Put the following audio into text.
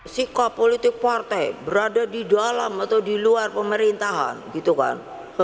sikap politik partai berada di dalam atau di luar pemerintahan gitu kan